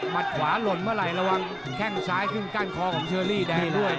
ขวาหล่นเมื่อไหร่ระวังแข้งซ้ายขึ้นก้านคอของเชอรี่แดงด้วย